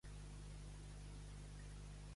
A qui s'ha dirigit el Tsunami Democràtic?